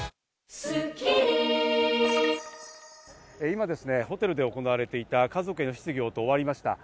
今ですね、ホテルで行われていた家族への質疑応答が終わりました。